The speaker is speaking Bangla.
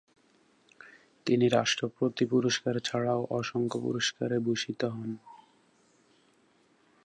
তিনি রাষ্ট্রপতি পুরস্কার ছাড়াও অসংখ্য পুরষ্কারে ভূষিত হন।